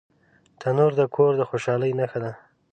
تنور د کور د خوشحالۍ نښه ده